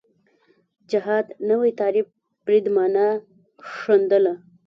جهاد نوی تعریف برید معنا ښندله